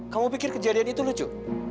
kamu pikir kejadian itu lucu